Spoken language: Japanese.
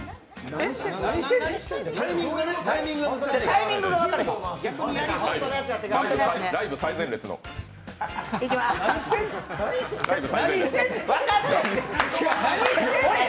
タイミングが分からへんねん。